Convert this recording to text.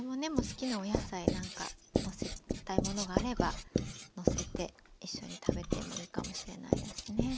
好きなお野菜なんかのせたいものがあればのせて一緒に食べてもいいかもしれないですね。